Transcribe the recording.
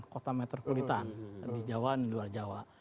kota metropolitan di jawa di luar jawa